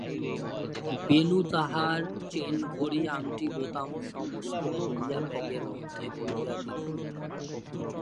বেণু তাহার চেন ঘড়ি আংটি বোতাম সমস্ত খুলিয়া ব্যাগের মধ্যে পুরিয়া দিল।